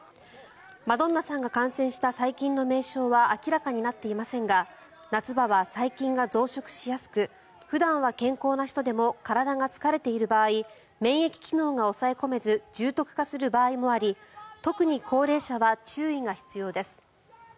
マドンナさんが感染した細菌の名称は明らかになっていませんが夏場は細菌が増殖しやすく普段は健康な人でも体が疲れている場合免疫機能が抑え込めず重篤化する場合もあり特に高齢者は注意が必要です。